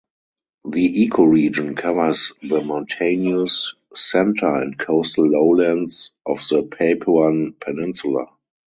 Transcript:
The ecoregion covers the mountainous center and coastal lowlands of the Papuan Peninsula.